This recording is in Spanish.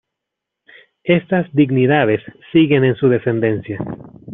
Estas dignidades siguen en su descendencia.